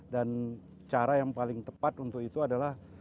dan cara yang paling tepat untuk itu adalah